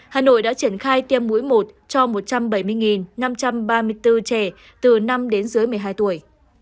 hà nội đã triển khai tiêm mũi một cho một trăm bảy mươi năm trăm ba mươi bốn trẻ từ năm đến dưới một mươi hai tuổi